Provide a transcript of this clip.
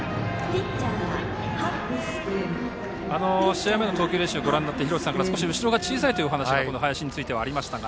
試合前の投球練習をご覧になって廣瀬さんから、少し後ろが小さいというお話が林についてはありましたが。